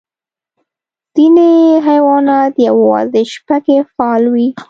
ځینې حیوانات یوازې شپه کې فعال وي.